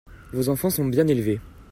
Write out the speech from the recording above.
Vos enfants sont bien élevés.